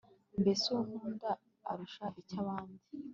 mbese uwo ukunda arusha iki abandi